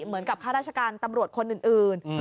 เหมือนกับข้าราชการตำรวจคนอื่น